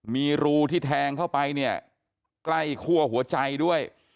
มีรูที่แทงเข้าไปเนี่ยใกล้คั่วหัวใจด้วย